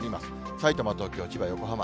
さいたま、東京、千葉、横浜。